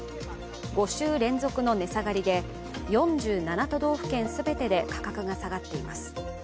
５週連続の値下がりで、４７都道府県全てで価格が下がっています。